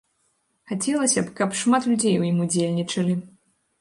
Хацелася б, каб шмат людзей у ім удзельнічалі.